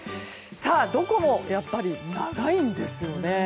どこもやっぱり長いんですよね。